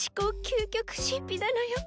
究極神秘なのよ。